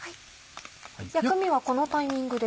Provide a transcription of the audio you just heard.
薬味はこのタイミングで？